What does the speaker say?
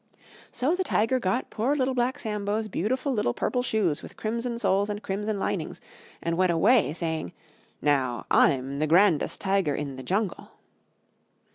So the Tiger got poor Little Black Sambo's beautiful little Purple Shoes with Crimson Soles and Crimson Linings, and went away saying, "Now I'm the grandest Tiger in the Jungle."